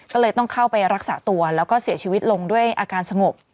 ก็เลยต้องเข้าไปรักษาตัวแล้วก็เสียชีวิตลงด้วยอาการสงบ